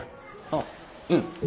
あっうん。